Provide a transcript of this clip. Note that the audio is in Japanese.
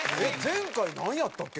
前回なんやったっけ？